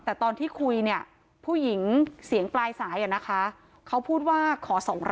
แต่ตอนที่คุยเนี่ยผู้หญิงเสียงปลายสายนะคะเขาพูดว่าขอ๒๐๐